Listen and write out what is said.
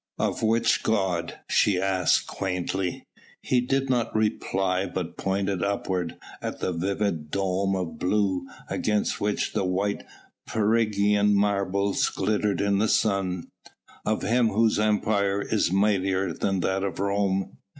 "Of which god?" she asked quaintly. He did not reply but pointed upwards at the vivid dome of blue against which the white of Phrygian marbles glittered in the sun. "Of Him Whose Empire is mightier than that of Rome."